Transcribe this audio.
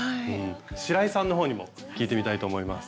白井さんの方にも聞いてみたいと思います。